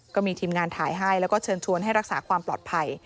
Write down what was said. ก็มีทีมงานถ่ายให้แล้วก็เชิญชวนให้รักษาความปลอดภัย